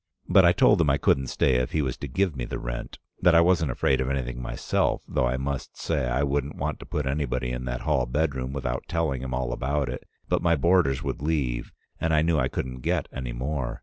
But I told him I couldn't stay if he was to give me the rent. That I wasn't afraid of anything myself, though I must say I wouldn't want to put anybody in that hall bedroom without telling him all about it; but my boarders would leave, and I knew I couldn't get any more.